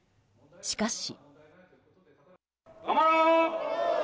しかし。